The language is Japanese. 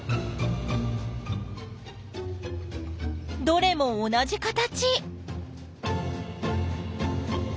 どれも同じ形！